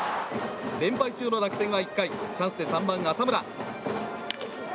連敗中の楽天は１回チャンスで３番、浅村。